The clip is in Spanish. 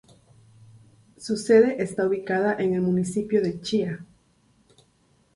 Su sede está ubicada en el municipio de Chía.